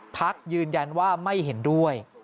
พักยืนยันว่าไม่เห็นด้วย